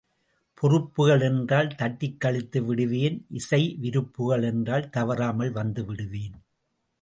பொறுப்புகள் என்றால் தட்டிக்கழித்து விடுவேன் இசை விருப்புகள் என்றால் தவறாமல் வந்துவிடுவேன்.